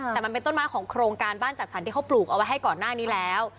แต่มันเป็นต้นไม้ของโครงการบ้านจัดสรรที่เขาปลูกเอาไว้ให้ก่อนหน้านี้แล้ว